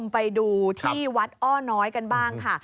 ไปดูที่วัดอ้อน้อยกันบ้างค่ะ